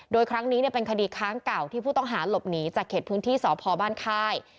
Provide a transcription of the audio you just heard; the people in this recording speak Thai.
โดยครั้งนี้เป็นคดีค้างเก่าที่ผู้ต้องหาหลบหนีจากเขตพื้นที่สพบ้านค่าย